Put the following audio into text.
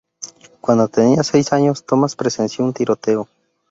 Cuando tenía seis años, Thomas presenció un tiroteo.